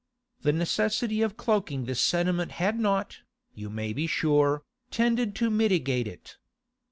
The necessity of cloaking this sentiment had not, you may be sure, tended to mitigate it.